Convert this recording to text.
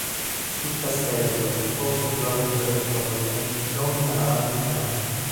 Il castello, posto sulla vetta del colle, domina la Val di Chiana.